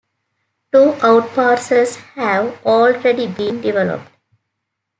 Two outparcels have already been developed.